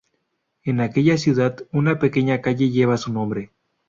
En aquella ciudad, una pequeña calle lleva su nombre.